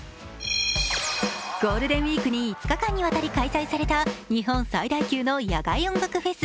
ゴールデンウイークに５日間にわたり開催された日本最大級の野外フェス